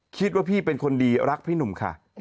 คิดว่าพี่เป็นคนดีรักพี่หนุ่มค่ะ